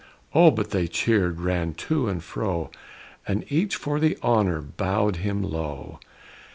Oh, but they cheered; ran to and fro, And each for the honor bowed him low.